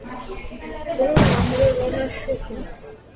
საგარეო საქმეთა მინისტრი გახდა სამუელ მონკადა.